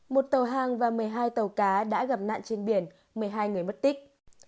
một tàu hàng và một mươi hai tàu cá đã gặp nạn trên biển một mươi hai người mất tích